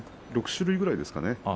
６種類ぐらいですかね。